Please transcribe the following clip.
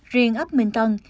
riêng ấp minh tân